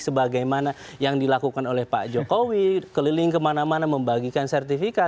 sebagaimana yang dilakukan oleh pak jokowi keliling kemana mana membagikan sertifikat